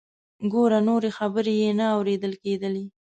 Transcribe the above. ګوره…. نورې خبرې یې نه اوریدل کیدلې.